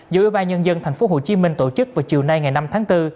dựa vào nhân dân thành phố hồ chí minh tổ chức vào chiều nay ngày năm tháng bốn